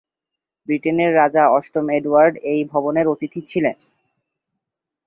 ব্রিটেনের রাজা অষ্টম এডওয়ার্ড এই ভবনের অতিথি ছিলেন।